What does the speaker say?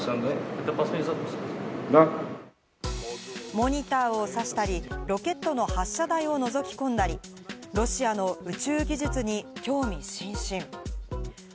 モニターを指したり、ロケットの発射台を覗き込んだり、ロシアの宇宙技術に興味津々。